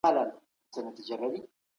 ښاري ټولنپوهنه د ښارونو ژوند څېړي.